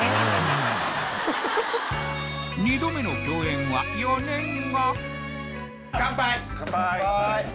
２度目の共演は４年後乾杯！